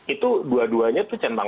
itu dua duanya itu centang